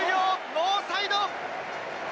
ノーサイド。